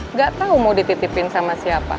nggak tahu mau dititipin sama siapa